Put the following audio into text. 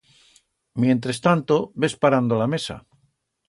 Mientrestanto, ves parando la mesa.